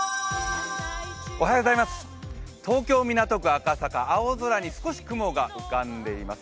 東京・港区赤坂、青空に少し雲が浮かんでいます。